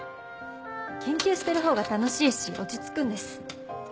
研究しているほうが楽しいし落ち着くんです。